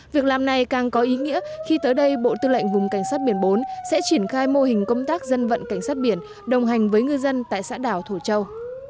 việc làm này càng có ý nghĩa khi tới đây bộ tư lệnh vùng cảnh sát biển bốn sẽ triển khai mô hình công tác dân vận cảnh sát biển đồng hành với ngư dân tại xã đảo thổ châu